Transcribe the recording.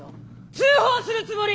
通報するつもりよ！